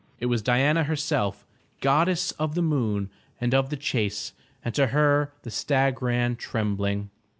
It was Diana herself, goddess of the moon and of the chase, and to her the stag ran trembling.